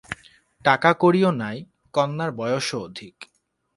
টাকাকড়িও নাই, কন্যার বয়সও অধিক।